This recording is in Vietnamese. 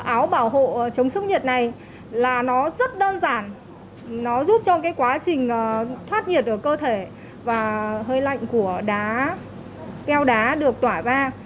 áo bảo hộ chống sốc nhiệt này là nó rất đơn giản nó giúp cho quá trình thoát nhiệt ở cơ thể và hơi lạnh của đá keo đá được tỏa ra